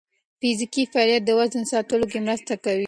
فزیکي فعالیت د وزن ساتلو کې مرسته کوي.